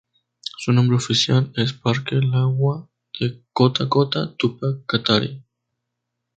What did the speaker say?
Su nombre oficial es Parque Laguna de Cota Cota Túpac Katari.